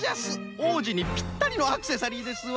おうじにぴったりのアクセサリーですわ。